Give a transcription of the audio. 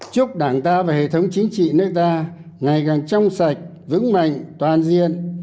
chúc đảng ta và hệ thống chính trị nước ta ngày càng trong sạch vững mạnh toàn diện